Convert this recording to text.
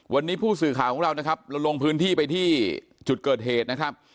วันนี้ผู้สื่อข่าวของเรานะครับเราลงพื้นที่ไปที่จุดเกิดเหตุนะครับ